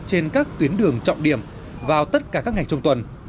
trên các tuyến đường trọng điểm vào tất cả các ngày trong tuần